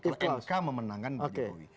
kalau kalau k memenangkan pak jokowi